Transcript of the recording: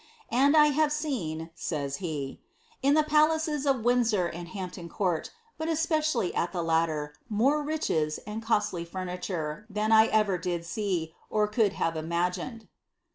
^^And I have seen,'' says he, ^^ in the palaces of Windsor and Hampton Court, but especially at the latter, more riches, aod costly furniture, than I ever did see, or could have imagined."